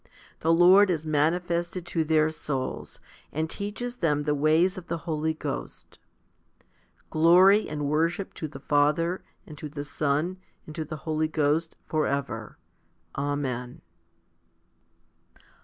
The Lord is mani fested to their souls, and teaches them the ways of the Holy Ghost. Glory and worship to the Father, and to the Son, and to the Holy Ghost, for ever. Amen.